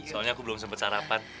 soalnya aku belum sempat sarapan